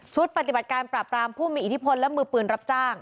ปฏิบัติการปราบรามผู้มีอิทธิพลและมือปืนรับจ้าง